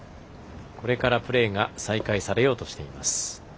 これからプレーが再開されようとしています。